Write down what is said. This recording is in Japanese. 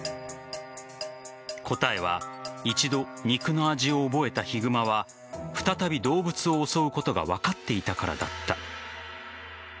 答えは、一度肉の味を覚えたヒグマは再び動物を襲うことが分かっていたからだった。